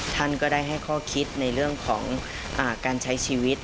ท่านก็ได้ให้ข้อคิดในเรื่องของการใช้ชีวิต